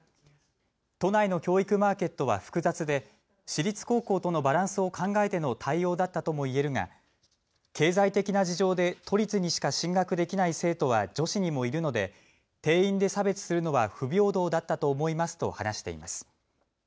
都内の教育マーケットは複雑で私立高校とのバランスを考えての対応だったとも言えるが経済的な事情で都立にしか進学できない生徒は女子にもいるので定員で差別するのは不平等だったと思いますと話しています。